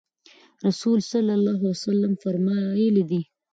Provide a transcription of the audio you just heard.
رسول الله صلی الله عليه وسلم فرمایلي دي: